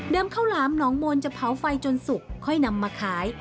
ข้าวหลามหนองมนต์จะเผาไฟจนสุกค่อยนำมาขาย